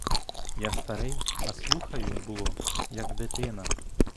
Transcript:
Я старий, а слухаю, було, як дитина.